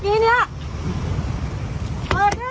โอ้โหเด็กอยู่ในรถอ่ะขี่ยังไงเมื่อกี้เนี่ย